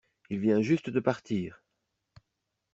Il vient juste de partir.